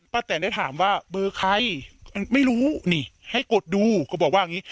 แตนได้ถามว่าเบอร์ใครมันไม่รู้นี่ให้กดดูก็บอกว่าอย่างนี้